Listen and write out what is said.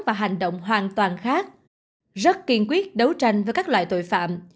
và hành động hoàn toàn khác rất kiên quyết đấu tranh với các loại tội phạm